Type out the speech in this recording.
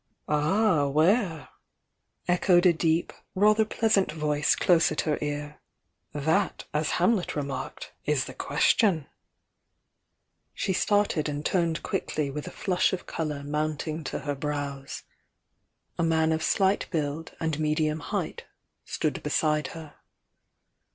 "Ah, where!" echoed a deep, rather pleasant voice close at her ear. "That, as Hamlet remarked, i'^ the question!" She started and turned quickly with a flush of THK YOUXG DIANA 10.5 colour mounting to her brows, — a man of slight build and medium height stood beside her.